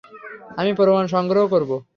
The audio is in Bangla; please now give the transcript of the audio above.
আমি প্রমাণ সংগ্রহ করব।